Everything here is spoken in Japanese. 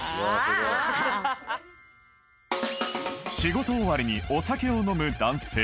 仕事終わりにお酒を飲む男性